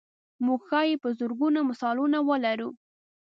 موږ ښایي په زرګونو مثالونه ولرو.